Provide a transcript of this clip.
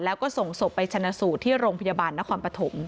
แล้วก็ส่งศพไปชนะสูตรที่โรงพยาบาลนครปฐม